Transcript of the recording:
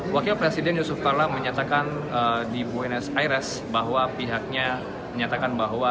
wakil presiden yusuf kala menyatakan di buenos aires bahwa pihaknya menyatakan bahwa